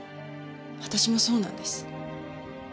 私もそうなんです。